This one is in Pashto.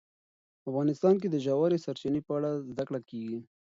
افغانستان کې د ژورې سرچینې په اړه زده کړه کېږي.